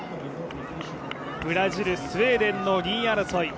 ブラジル、スウェーデンの２位争い。